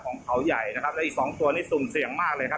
ของเขาใหญ่นะครับและอีกสองตัวนี้สุ่มเสี่ยงมากเลยครับ